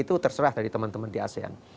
itu terserah dari teman teman di asean